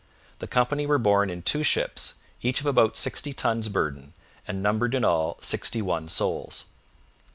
The company were borne in two ships, each of about sixty tons burden, and numbered in all sixty one souls.